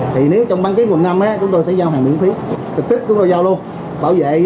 thì nếu trong ban kết mùa năm á chúng tôi sẽ giao hàng miễn phí thực tích chúng tôi giao luôn bảo vệ